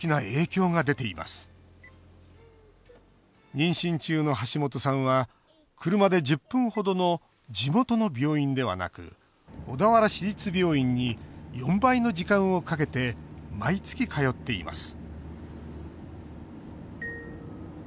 妊娠中の橋本さんは車で１０分ほどの地元の病院ではなく小田原市立病院に４倍の時間をかけて毎月通っています